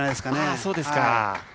そうですか。